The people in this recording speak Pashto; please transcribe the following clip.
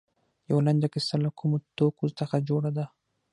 یوه لنډه کیسه له کومو توکو څخه جوړه ده.